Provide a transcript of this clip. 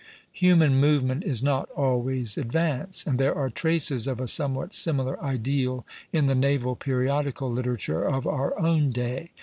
Human movement is not always advance; and there are traces of a somewhat similar ideal in the naval periodical literature of our own day.